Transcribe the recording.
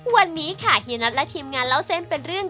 วันนี้ค่ะเฮียน็อตและทีมงานเล่าเส้นเป็นเรื่อง